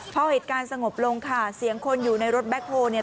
พอเหตุการณ์สงบลงค่ะเสียงคนอยู่ในรถแบ็คโฮลเนี่ย